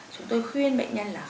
chúng tôi khuyên bệnh nhân là